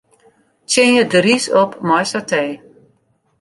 Tsjinje de rys op mei satee.